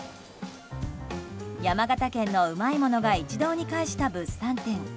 山形県のうまいものが一堂に会した物産展。